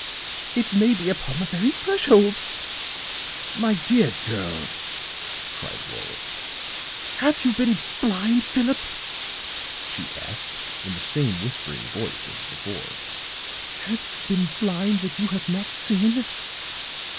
It may be upon the very threshold." "My dear girl," cried Warwick. "Have you been blind, Philip?" she asked in the same whispering voice as before. "Have you been blind that you have not seen?